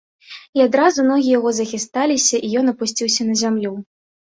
І адразу ногі яго захісталіся, і ён апусціўся на зямлю.